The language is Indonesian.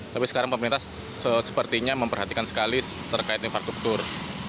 tapi sekarang pemerintah sepertinya memperhatikan sekali terkait infrastruktur